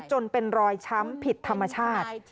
จนเป็นรอยช้ำผิดธรรมชาติ